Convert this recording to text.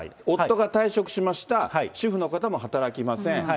夫が退職しました、主婦の方も働きません。